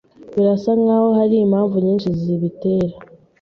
Birasa nkaho hari impamvu nyinshi zibitera